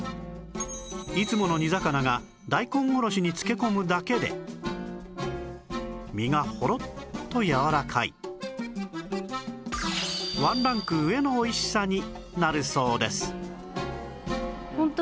いつもの煮魚が大根おろしに漬け込むだけで身がほろっとやわらかい１ランク上のおいしさになるそうです